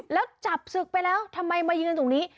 แล้วจับศึกไปแล้วทำไมมายืนตรงนี้